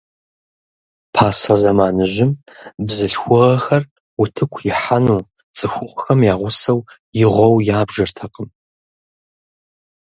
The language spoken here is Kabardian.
Пасэ зэманыжьым бзылъхугъэхэр утыку ихьэну цӀыхухъухэм я гъусэу игъуэу ябжыртэкъым.